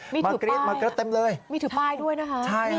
มีถือป้ายมีถือป้ายด้วยนะคะใช่ครับมี